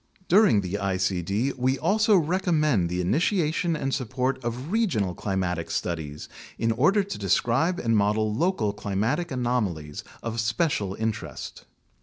Dur ing the icd we also recommend the initiation and support of regional climatic studies in order to describe and model local climatic anomalies of special interest.